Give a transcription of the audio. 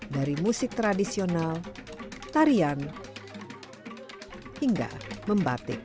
dari musik tradisional tarian hingga membatik